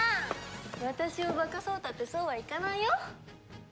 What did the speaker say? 私を化かそうったってそうはいかないよ。